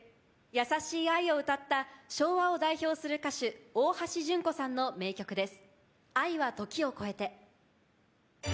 優しい愛を歌った昭和を代表する歌手大橋純子さんの名曲です。